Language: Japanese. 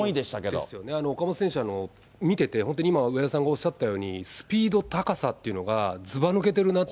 ですよね、岡本選手、見てて、本当に今、上田さんがおっしゃったように、スピード、高さっていうのが、ずば抜けてるなと。